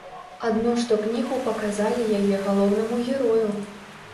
Адно што кнігу паказалі яе галоўнаму герою.